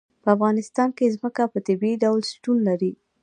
په افغانستان کې ځمکه په طبیعي ډول شتون لري.